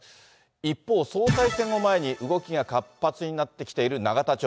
一方、総裁選を前に動きが活発になってきている永田町。